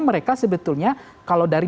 mereka sebetulnya kalau dari